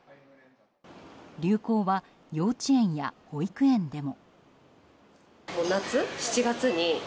流行は、幼稚園や保育園でも。